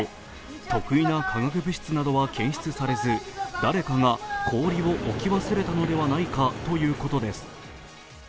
特異な化学物質などは検出されず誰かが氷を置き忘れたのではないかということです。